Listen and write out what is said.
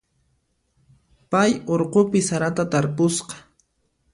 Pay urqupi sarata tarpusqa.